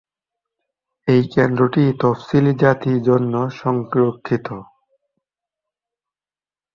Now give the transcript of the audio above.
এই কেন্দ্রটি তফসিলি জাতি জন্য সংরক্ষিত।